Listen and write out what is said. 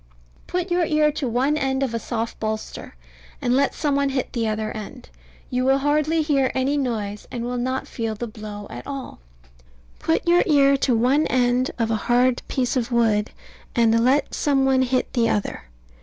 Put your ear to one end of a soft bolster, and let some one hit the other end. You will hear hardly any noise, and will not feel the blow at all. Put your ear to one end of a hard piece of wood, and let some one hit the other.